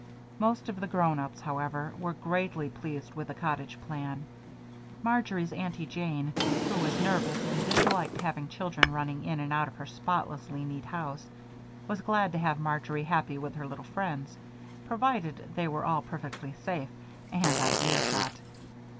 Most of the grown ups, however, were greatly pleased with the cottage plan. Marjory's Aunty Jane, who was nervous and disliked having children running in and out of her spotlessly neat house, was glad to have Marjory happy with her little friends, provided they were all perfectly safe and out of earshot.